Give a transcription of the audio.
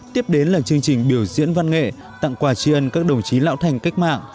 tiếp đến là chương trình biểu diễn văn nghệ tặng quà tri ân các đồng chí lão thành cách mạng